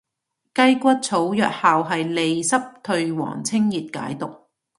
雞骨草藥效係利濕退黃清熱解毒